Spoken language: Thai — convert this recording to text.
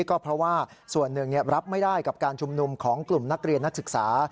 ก็เพราะว่าส่วนหนึ่งรับไม่ได้กับการชุมนุมของกลุ่มนักเรียนนักศึกษา